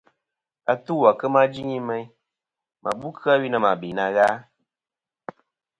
Atu à kema jɨŋi meyn, mɨ bu kɨ-a wi na mɨ be na gha.